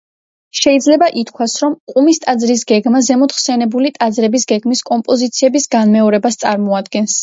შეიძლება ითქვას, რომ ყუმის ტაძრის გეგმა ზემოთხსენებული ტაძრების გეგმის კომპოზიციების განმეორებას წარმოადგენს.